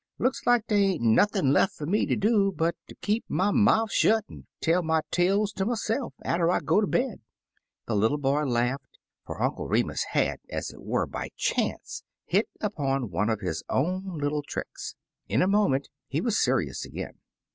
Look like dey ain't nothin' lef fer me ter do but ter keep 57 Uncle Remus Returns my mouf shut, er tell my talcs ter myse'f atter I gp ter bed/' The little boy laughed, for Uncle Remus had, as it were, by chance, hit upon one of his own little tricks. In a moment he was serious again.